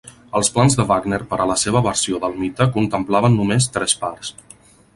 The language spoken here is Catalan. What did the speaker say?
Els plans de Wagner per a la seva versió del mite contemplaven només tres parts.